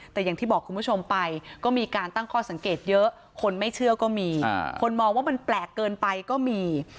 แต่อย่างที่บอกคุณผู้ชมไปก็มีการตั้งข้อสังเกตเยอะคนไม่เชื่อก็มีคนมองว่ามันแปลกเกินไปก็มี